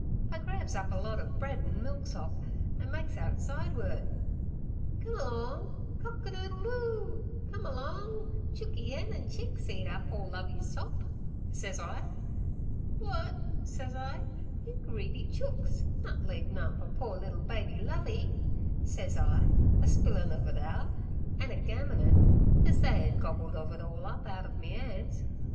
'I grabs up a lot ov bread an' milk sop, an' makes outside wi' it. "Come along, cock a doodle doo; come along, chooky 'en an' chicks, eat up all Lovey's sop," sez I. "W'at!" sez I, "you greedy chooks, nut leave none fer poor liddle baby Lovey!" sez I, a spillin' ov it out, an' a gammunin' az they 'ad gobbled ov it all up out ov me 'ands.